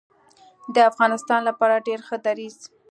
د افغانستان لپاره ډیر ښه دریځ